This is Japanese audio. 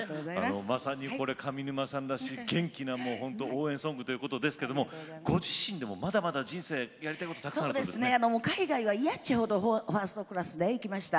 まさに上沼さんらしい元気な応援ソングということですが、ご自身もまだまだやりたいことが海外は嫌という程ファーストクラスで行きました。